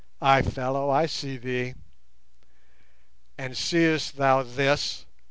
"Ay, fellow, I see thee." "And seest thou this?"